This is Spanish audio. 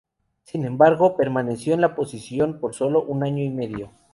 Sin embargo, permaneció en la posición por sólo un año y medio.